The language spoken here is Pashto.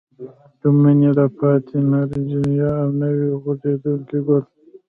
د مني راپاتې نارنجان او نوي غوړېدونکي ګل.